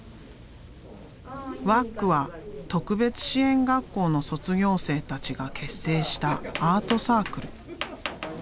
ｗａＣは特別支援学校の卒業生たちが結成したアートサークル。